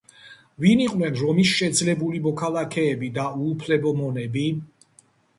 ვინ იყვნენ რომის შეძლებული მოქალაქეები და უუფლებო მონები?